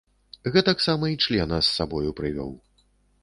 Гэтаксама й члена з сабою прывёў.